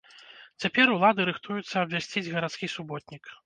Цяпер улады рыхтуюцца абвясціць гарадскі суботнік.